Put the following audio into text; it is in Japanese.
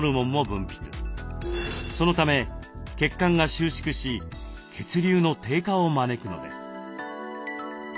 そのため血管が収縮し血流の低下を招くのです。